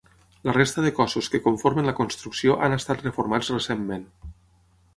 La resta de cossos que conformen la construcció han estat reformats recentment.